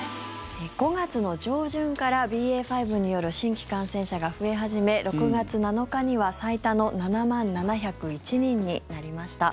５月の上旬からＢＡ．５による新規感染者が増え始め６月７日には、最多の７万７０１人になりました。